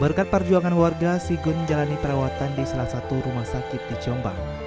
berkat perjuangan warga sigun menjalani perawatan di salah satu rumah sakit di jombang